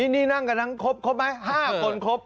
นี่นั่งกันทั้งครบครบไหม๕คนครบ